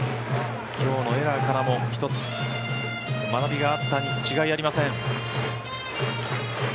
今日のエラーからも、１つ学びがあったに違いありません。